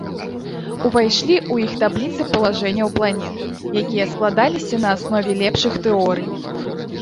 Увайшлі ў іх табліцы палажэнняў планет, якія складаліся на аснове лепшых тэорый.